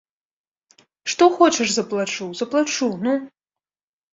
Што хочаш заплачу, заплачу, ну!